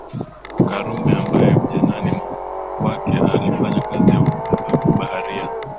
Karume ambaye ujanani kwake alifanya kazi ya ubaharia